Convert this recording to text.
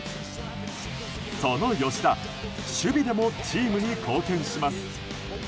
その吉田守備でもチームに貢献します。